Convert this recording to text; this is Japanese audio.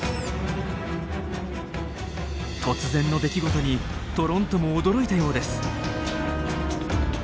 突然の出来事にトロントも驚いたようです。